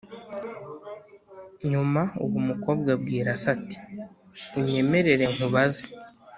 Nyuma uwo mukobwa abwira se ati Unyemerere nkubaze